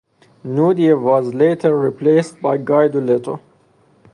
Nudi was later replaced by Guido Leto.